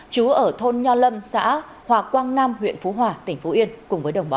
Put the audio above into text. chú ở thôn nho lâm xã hòa quang nam huyện phú hòa tỉnh phú yên cùng với đồng bọn